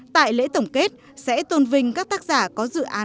tại lễ tổng kết sẽ tôn vinh các tác giả có dự án khởi nghiệp xuất quân